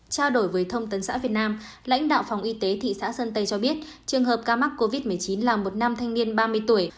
trao đổi với thông tấn xã việt nam lãnh đạo phòng y tế thị xã sơn tây cho biết trường hợp ca mắc covid một mươi chín là một nam thanh niên ba mươi tuổi